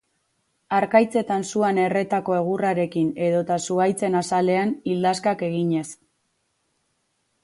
Harkaitzetan suan erretako egurrarekin edota zuhaitzen azalean ildaskak eginez.